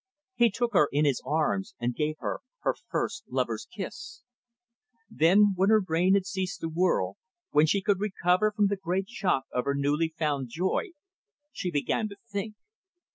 He took her in his arms, and gave her her first lover's kiss. Then, when her brain had ceased to whirl, when she could recover from the great shock of her newly found joy, she began to think.